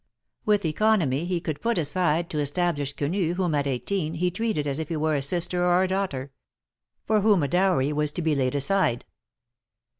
With economy, he could put money aside to establish Quenu, whom, at eighteen, he treated as if he were a sister or a daughter ; for whom a dowry was to be laid aside.